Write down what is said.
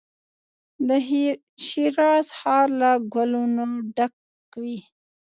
د شیراز ښار له ګلو نو ډک وي.